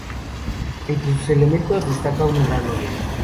Entre sus elementos destaca una gran noria.